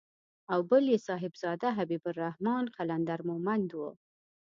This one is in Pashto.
او بل يې صاحبزاده حبيب الرحمن قلندر مومند و.